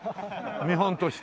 見本として。